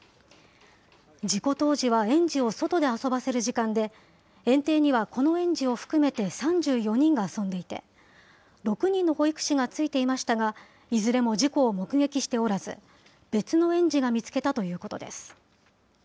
事故当時は園児を外で遊ばせる時間で、園庭にはこの園児を含めて３４人が遊んでいて、６人の保育士がついていましたが、いずれも事故を目撃しておらず、別の園児が見つけたということです。